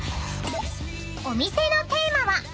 ［お店のテーマは］